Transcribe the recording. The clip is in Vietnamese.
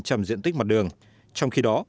trong khi đó hệ thống đường bộ trong nội đô